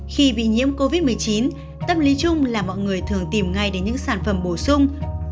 khi bị nhiễm covid một mươi chín tâm lý chung là mọi người thường tìm ngay đến những sản phẩm bổ sung